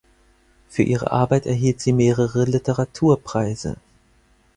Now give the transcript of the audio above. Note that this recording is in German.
Für ihre Arbeit erhielt sie mehrere Literaturpreise.